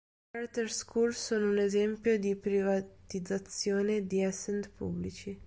Le Charter schools sono un esempio di privatizzazione di asset pubblici.